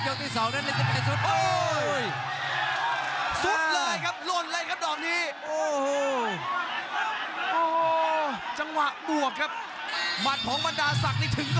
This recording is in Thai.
ยกที่สองนั้นฤทธิกายสุด